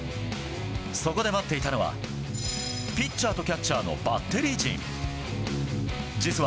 そこで待っていたのはピッチャーとキャッチャーのバッテリー陣。